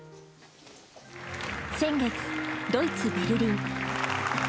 先月、ドイツ・ベルリン。